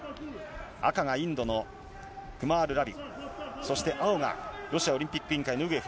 赤がインドのクマール・ラビ、そして青がロシアオリンピック委員会のウグエフ。